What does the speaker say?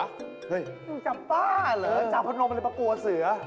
มึงจับบ้าเหรอจาพนมอะไรมากลัวเสือ